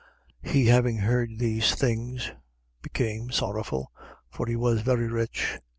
18:23. He having heard these things, became sorrowful: for he was very rich.